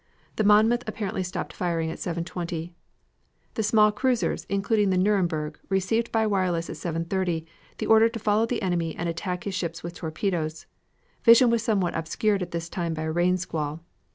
The Monmouth apparently stopped firing at 7.20. The small cruisers, including the Nuremburg, received by wireless at 7.30 the order to follow the enemy and to attack his ships with torpedoes. Vision was somewhat obscured at this time by a rain squall.